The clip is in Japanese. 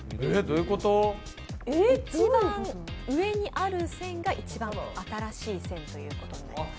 一番上にある線が一番新しい線となります。